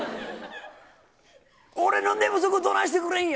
俺の寝不足どないしてくれるんや。